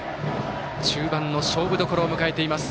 中盤の勝負どころを迎えています。